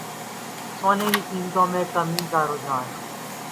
سونے کی قیمتوں میں کمی کا رجحان